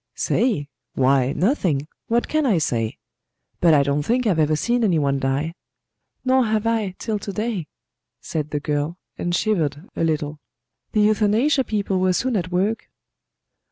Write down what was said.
"Say! Why, nothing! What can I say? But I don't think I've ever seen any one die." "Nor have I till to day," said the girl, and shivered a little. "The euthanasia people were soon at work."